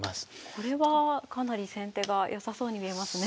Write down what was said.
これはかなり先手が良さそうに見えますね。